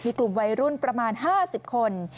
มีกลุ่มวัยรุ่นประมาณ๕๐คน